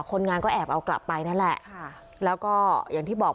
คนงานก็แอบเอากลับไปนั่นแหละค่ะแล้วก็อย่างที่บอก